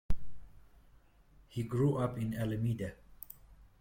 He grew up in Alameda.